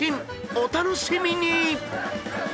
お楽しみに！］